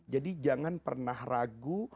jadi jangan pernah ragu